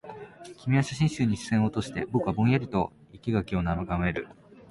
君は写真集に視線を落として、僕はぼんやりと生垣を眺める